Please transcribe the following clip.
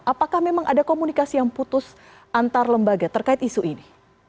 apakah memang ada komunikasi yang putus antar lembaga terkait isu ini